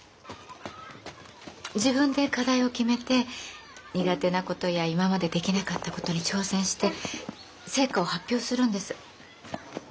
自分で課題を決めて苦手なことや今までできなかったことに挑戦して成果を発表するんです。